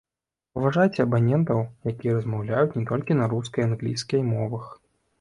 Паважайце абанентаў, якія размаўляюць не толькі на рускай і англійскай мовах.